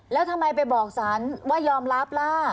แล้วทำไมไปบอกสารว่ายอมรับล่ะ